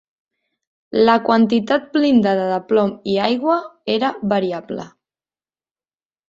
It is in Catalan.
La quantitat blindada de plom i aigua era variable.